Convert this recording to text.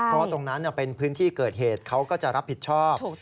เพราะว่าตรงนั้นเป็นพื้นที่เกิดเหตุเขาก็จะรับผิดชอบ